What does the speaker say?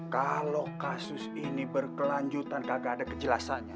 kalau kasus ini berkelanjutan kagak ada kejelasannya